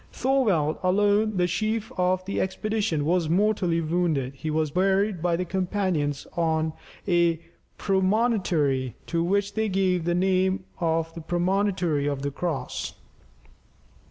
Thorvald alone, the chief of the expedition, was mortally wounded; he was buried by his companions on a promontory, to which they gave the name of the promontory of the Cross.